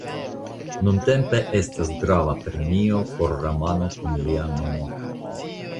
Nuntempe estas grava premio por romano kun lia nomo.